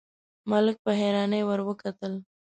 ملک په حيرانۍ ور وکتل: